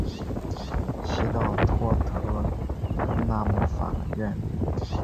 西到托特纳姆法院路。